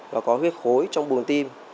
và có huyết khối trong bùng tim